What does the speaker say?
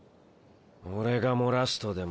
俺が漏らすとでも？